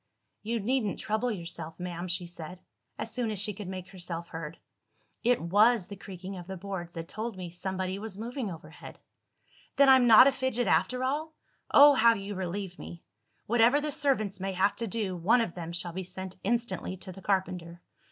"You needn't trouble yourself, ma'am," she said, as soon as she could make herself heard; "it was the creaking of the boards that told me somebody was moving overhead." "Then I'm not a fidget after all? Oh, how you relieve me! Whatever the servants may have to do, one of them shall be sent instantly to the carpenter.